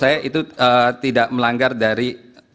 saya itu tidak melanggar dari